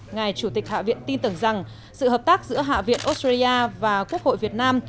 ngài chủ tịch hạ viện tin tưởng rằng sự hợp tác giữa hạ viện australia và quốc hội việt nam